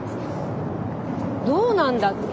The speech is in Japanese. どうなんだっけ？